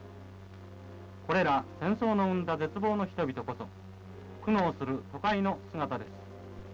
これら戦争の生んだ絶望の人々こそ苦悩する都会の姿です。